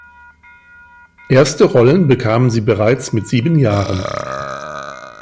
Erste Rollen bekam sie bereits mit sieben Jahren.